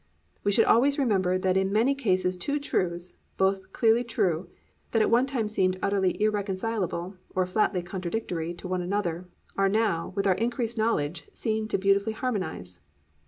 We should always remember that in many cases two truths, both clearly true, that at one time seemed utterly irreconcilable or flatly contradictory to one another, are now, with our increased knowledge seen to beautifully harmonise.